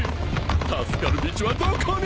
助かる道はどこに！？